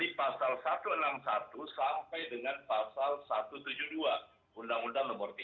di pasal satu ratus enam puluh satu sampai dengan pasal satu ratus tujuh puluh dua undang undang nomor tiga